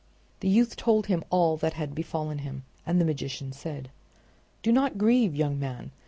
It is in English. The youth told him all that had befallen him, and the magician said: "Do not grieve, young man!